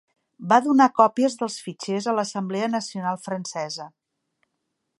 Va donar còpies dels fitxers a l'Assemblea Nacional Francesa.